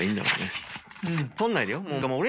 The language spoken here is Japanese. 取んないでよ。